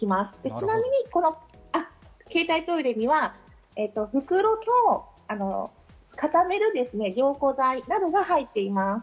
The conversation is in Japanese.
ちなみにこの携帯トイレには袋と固める、凝固剤などが入っています。